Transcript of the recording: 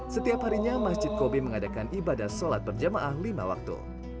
setiap harinya masjid kobi mengadakan ibadah sholat berjamaah lima waktu